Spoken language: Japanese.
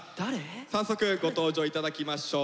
早速ご登場いただきましょう。